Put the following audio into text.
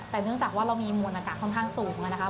แต่เนื่องจากว่าเรามีมวลอากาศค่อนข้างสูงนะคะ